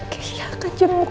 keisha akan jemput